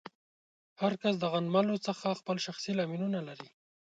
هر کس د غنملو څخه خپل شخصي لاملونه لري.